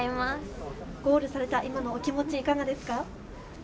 ゴールされた今のお気持ちいかがですか？